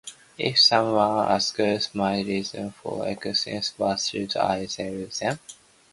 If someone asked my reason for existence, what should I tell them?